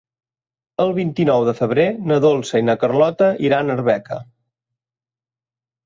El vint-i-nou de febrer na Dolça i na Carlota iran a Arbeca.